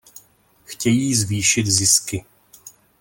Chtějí zvýšit zisky.